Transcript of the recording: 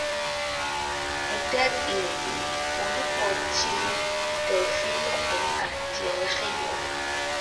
Inter ili, unu por ĉiuj, Teofilo el Antioĥio.